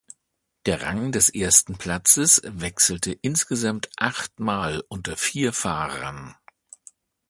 Der Rang des ersten Platzes wechselte insgesamt acht Mal unter vier Fahrern.